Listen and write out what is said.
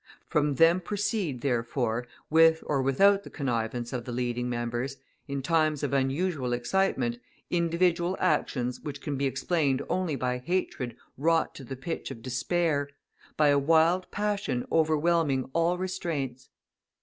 From them proceed, therefore, with or without the connivance of the leading members, in times of unusual excitement, individual actions which can be explained only by hatred wrought to the pitch of despair, by a wild passion overwhelming all restraints.